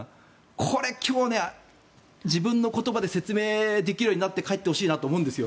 これ今日、自分の言葉で説明できるようになって帰ってほしいと思うんですよ。